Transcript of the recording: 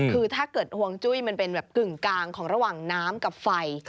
คือถ้าเกิดห่วงจุ้ยมันเป็นแบบกึ่งกลางของระหว่างน้ำกับไฟ